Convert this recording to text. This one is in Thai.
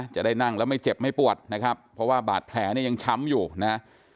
จะได้นั่งแล้วไม่เจ็บไม่ปวดนะครับเพราะว่าบาดแผลเนี่ยยังช้ำอยู่นะ